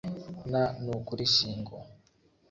na n'ukuri shingo